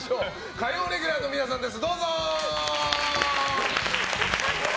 火曜レギュラーの皆さんです。